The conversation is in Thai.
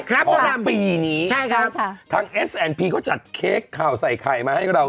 ครับครับปีนี้ใช่ครับทางเอสแอนด์พีก็จัดเค้กข้าวใส่ไข่มาให้กับเรา